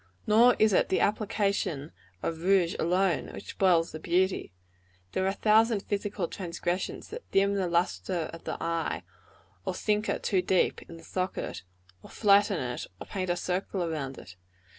Nor is it the application of rouge alone, which spoils the beauty. There are a thousand physical transgressions that dim the lustre of the eye, or sink it too deep in the socket, or flatten it, or paint a circle round it.